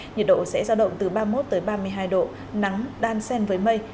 nhiệt độ sẽ ra động từ ba mươi một ba mươi hai độ nắng đan sen với mây